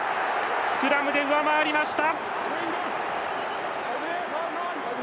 スクラムで上回りました！